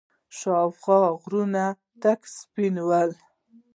شاوخوا غرونه تک سپين ول.